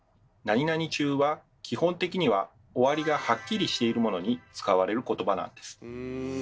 「中」は基本的には「終わり」がハッキリしているものに使われる言葉なんです。